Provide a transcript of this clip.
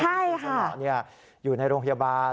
ใช่ค่ะคุณสนอเนี้ยอยู่ในโรงพยาบาล